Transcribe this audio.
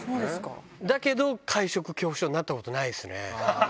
だけど、会食恐怖症になったことないですね。